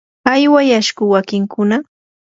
¿aywayashku wakinkuna?